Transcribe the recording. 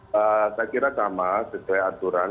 saya kira sama sesuai aturan